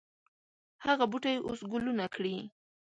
هغه بوټی اوس ګلونه کړي